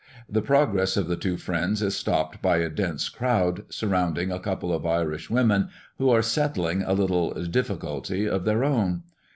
The progress of the two friends is stopped by a dense crowd, surrounding a couple of Irish women, who are settling a little "difficulty" of their own.